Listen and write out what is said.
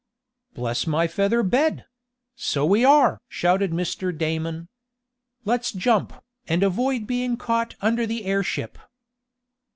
"Bless my feather bed! So we are!" shouted Mr. Damon. "Let's jump, and avoid being caught under the airship!"